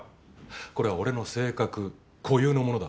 これは俺の性格固有のものだ。